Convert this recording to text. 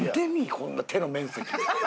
こんな手の面積。